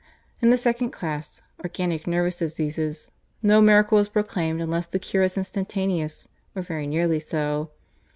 In the second class organic nervous diseases no miracle is proclaimed unless the cure is instantaneous, or very nearly so.